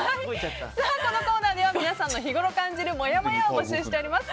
このコーナーでは皆さんからの日頃感じるもやもやを募集します。